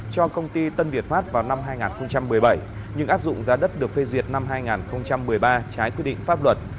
cho công ty tân việt pháp vào năm hai nghìn một mươi bảy nhưng áp dụng giá đất được phê duyệt năm hai nghìn một mươi ba trái quy định pháp luật